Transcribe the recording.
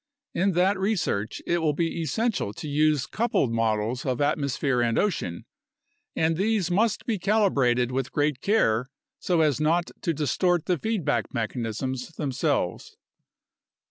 In that research it will be essential to use coupled models of atmosphere and ocean, and these must be calibrated with great care so as not to distort the feedback mechanisms themselves.